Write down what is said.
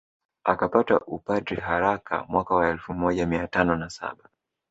Akapata upadre haraka mwaka wa elfu moja mia tano na saba